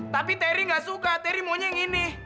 tapi terry gak suka teri maunya yang ini